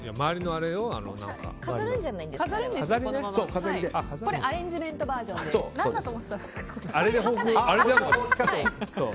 これはアレンジメントバージョンです。